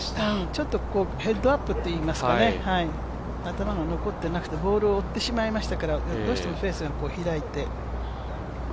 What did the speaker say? ちょっとヘッドアップっていいますか、頭が残ってなくてボールを追ってしまいましたからどうしてもフェースが開いて。